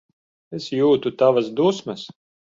Es jūtu tavas dusmas.